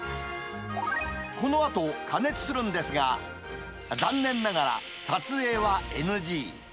このあと、加熱するんですが、残念ながら、撮影はＮＧ。